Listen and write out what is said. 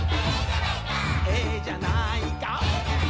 「ええじゃないか」